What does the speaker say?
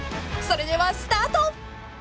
［それではスタート］